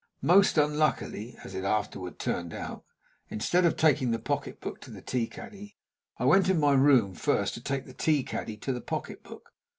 Most unluckily as it afterward turned out instead of taking the pocketbook to the tea caddy, I went into my room first to take the tea caddy to the pocketbook.